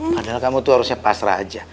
padahal kamu tuh harusnya pasrah aja